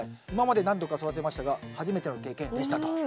「今まで何度か育てましたが初めての経験でした」と。